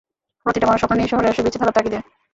প্রতিটা মানুষ সপ্ন নিয়ে এই শহরে আসে, বেঁচে থাকার তাগিদে।